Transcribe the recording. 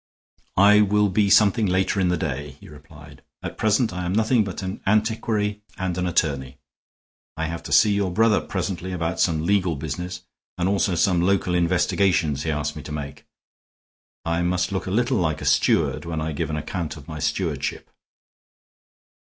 "I will be something later in the day," he replied. "At present I am nothing but an antiquary and an attorney. I have to see your brother presently, about some legal business and also some local investigations he asked me to make. I must look a little like a steward when I give an account of my stewardship."